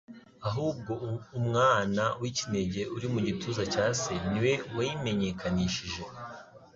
ahubwo Umwana w'ikinege uri mu gituza cya Se, ni we wayimenyekanishije.